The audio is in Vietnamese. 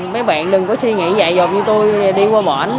mấy bạn đừng có suy nghĩ dạy dột như tôi đi qua bọn